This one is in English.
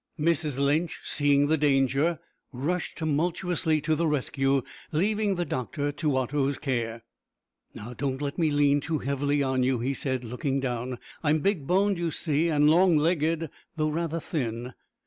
Mrs Lynch, seeing the danger, rushed tumultuously to the rescue, leaving the doctor to Otto's care. "Don't let me lean too heavily on you," he said, looking down; "I'm big boned, you see, and long legged, though rather thin."